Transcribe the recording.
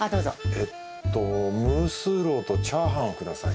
えっとムースーローとチャーハンをください。